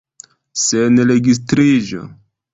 Sen registriĝo.